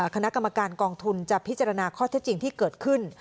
คณะกรรมการกองทุนจะพิจารณาข้อเท็จจริงที่เกิดขึ้น